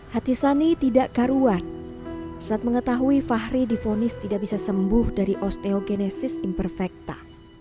hati sani tidak karuan saat mengetahui fahri difonis tidak bisa sembuh dari osteogenesis imperfecta